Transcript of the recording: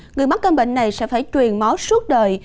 người mắc căn bệnh này sẽ phải truyền máu suốt đời